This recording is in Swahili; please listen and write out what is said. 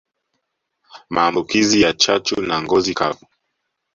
Maambukizi ya chachu na ngozi kavu